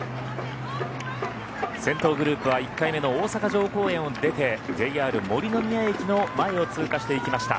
先頭グループは１回目の大阪城公園を出てＪＲ森ノ宮駅の前を通過していきました。